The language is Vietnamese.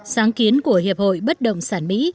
sáng kiến của hiệp hội bất động sản mỹ